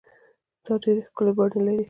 دا ډبرې ښکلې بڼه لري.